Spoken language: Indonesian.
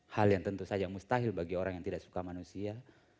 hal yang tentu saja mustahil bagi orang yang tidak suka manusia